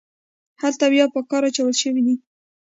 هلته بیا په کار اچول شوي دي.